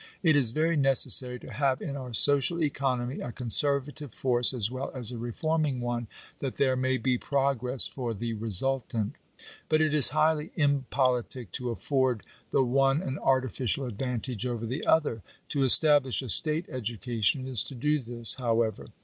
It is very necessary to have in our social economy a conservative force as well as a reforming one, that there may be progress for the resultant; but it is highly impolitic to afford the one an artificial advantage over the other. To establish a state education is to do this, however.